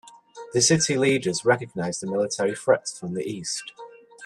The city leaders recognized a military threat from the east.